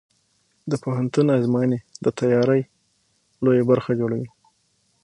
د پوهنتون ازموینې د تیاری لویه برخه جوړوي.